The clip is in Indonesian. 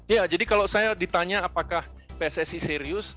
ya jadi kalau saya ditanya apakah pssi serius